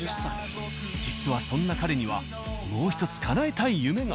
実はそんな彼にはもう一つ叶えたい夢が。